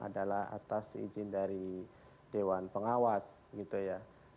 adalah atas izin dari dewan pengawas gitu ya